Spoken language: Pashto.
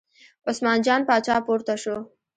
عثمان جان پاچا پورته شو.